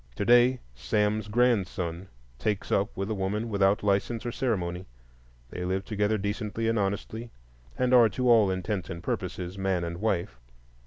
To day Sam's grandson "takes up" with a woman without license or ceremony; they live together decently and honestly, and are, to all intents and purposes, man and wife.